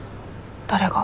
誰が？